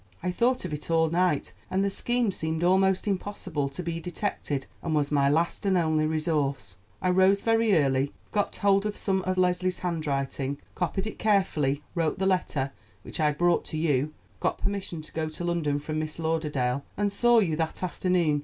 I thought of it all night, and the scheme seemed almost impossible to be detected, and was my last and only resource. I rose very early, got hold of some of Leslie's handwriting, copied it carefully, wrote the letter which I brought to you, got permission to go to London from Miss Lauderdale, and saw you that afternoon.